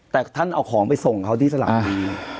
แต่ท่านเอาของไปส่งเขาที่สลับบุรี